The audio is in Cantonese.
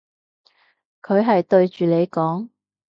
佢係對住你講？